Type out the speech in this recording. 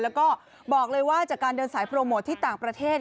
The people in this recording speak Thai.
แล้วก็บอกเลยว่าจากการเดินสายโปรโมทที่ต่างประเทศ